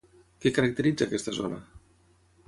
Què caracteritza aquesta zona?